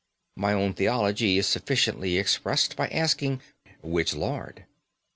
My own theology is sufficiently expressed by asking which Lord?